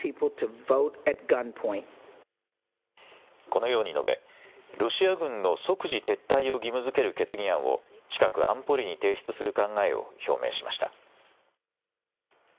このように述べ、ロシア軍の即時撤退を義務づける決議案を近く安保理に提出する考えを表明しました。